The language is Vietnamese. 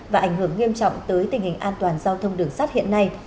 và ảnh hưởng nghiêm trọng tới tình hình an toàn giao thông đường sắt hiện nay